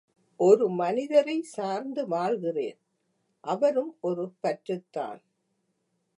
ஒரு மனிதரைச் சார்ந்து வாழ்கிறேன் அவரும் ஒரு பற்றுத்தான்.